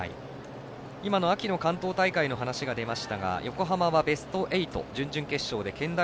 今の秋の関東大会の話が出ましたが横浜はベスト８、準々決勝で健大